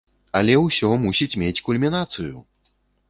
Але ўсё мусіць мець кульмінацыю!